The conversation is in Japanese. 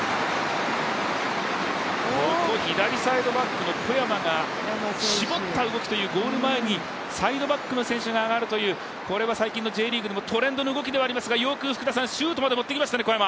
ここ、左サイドバックの小山が絞った動き、ゴール前にサイドバックの選手が上がるという、これは最近のＪリーグでもトレンドの動きではありますが、よくシュートまで持っていきましたね。